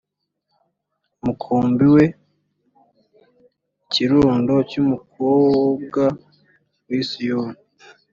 umukumbi we ikirundo cy umukobwa w i siyoni